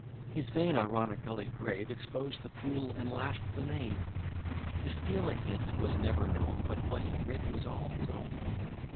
His vein, ironically grave, Exposed the fool, and lash'd the knave. To steal a hint was never known, But what he writ was all his own.